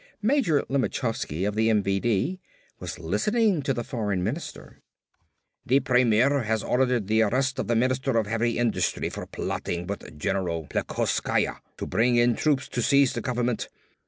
Major Lemachovsky of the MVD was listening to the Foreign Minister. "The Premier has ordered the arrest of the Minister of Heavy Industry for plotting with General Plekoskaya to bring in troops to seize the government.